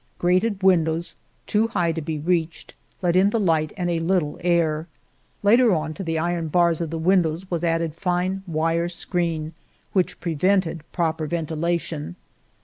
Grated windows, too high to be reached, let in the light and a little air. Later on, to the iron bars of the windows was added fine wire screen, which prevented proper ventilation.